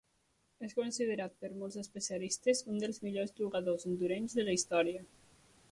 És considerat per molts especialistes un dels millors jugadors hondurenys de la història.